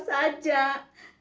kasian abah dan emak